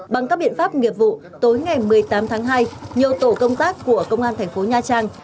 bằng các biện pháp nghiệp vụ tối ngày một mươi tám tháng hai nhiều tổ công tác của công an thành phố nha trang